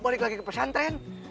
balik lagi ke pesantren